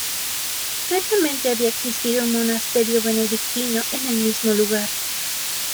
Previamente había existido un monasterio benedictino en el mismo lugar.